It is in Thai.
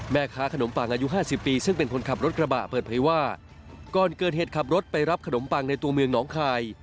แม่ค้าขนมปังอายุ๕๐ปีซึ่งเป็นคนขับรถกระบะเปิดเผยว่าก่อนเกิดเหตุขับรถไปรับขนมปังในตัวเมืองน้องคาย